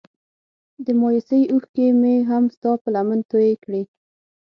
د مايوسۍ اوښکې مې هم ستا په لمن توی کړې.